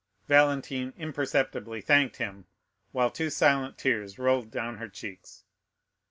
Valentine imperceptibly thanked him, while two silent tears rolled down her cheeks.